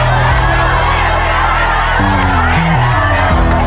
เริ่มครับ